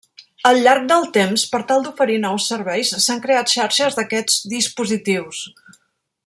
Al llarg del temps per tal d'oferir nous serveis s'han creat xarxes d'aquests dispositius.